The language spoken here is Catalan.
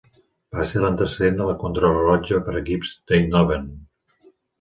Va ser l'antecedent de la Contrarellotge per equips d'Eindhoven.